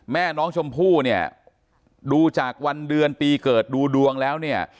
แม่น้องชมพู่เนี่ยดูจากวันเดือนปีเกิดดูดวงแล้วเนี่ย